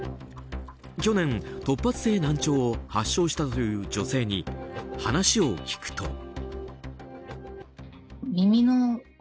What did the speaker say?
去年、突発性難聴を発症したという女性に話を聞くと。